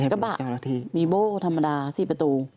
กระบะมีโบ้ธรรมดา๔ประตู